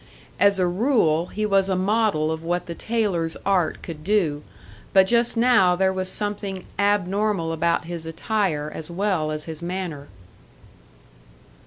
As a rule, he was a model of what the tailor's art could do, but just now there was something abnormal about his attire as well as his manner.